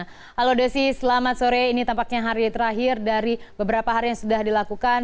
halo desi selamat sore ini tampaknya hari terakhir dari beberapa hari yang sudah dilakukan